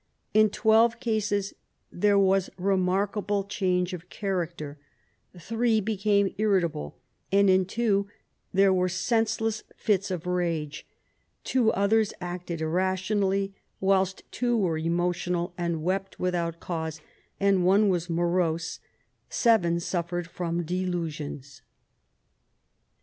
In twelve cases there was re markable change of character : three became irritable, and in two there were senseless fits of rage, two others acted irrationally, whilst two were emotional and wept without cause, and one was morose; seven suffered from delusions.